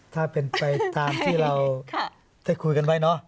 ถ้าเป็นไปตามที่เราได้คุยกันไว้เนอะ